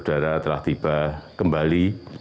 pada fakta yang paling mengganggu